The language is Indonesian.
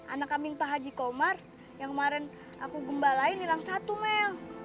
anak kambing pak haji komar yang kemarin aku gembalain hilang satu mel